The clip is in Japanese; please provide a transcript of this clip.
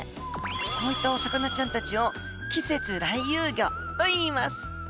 こういったお魚ちゃんたちを「季節来遊魚」といいます。